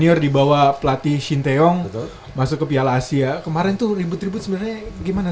senior dibawa pelatih shin taeyong masuk ke piala asia kemarin tuh ribut ribut sebenarnya gimana